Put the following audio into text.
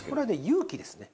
勇気ですね。